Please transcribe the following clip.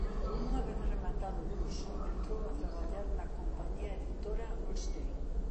Unha vez rematado o curso entrou a traballar na compañía editora Ullstein.